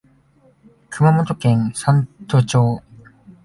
熊本県山都町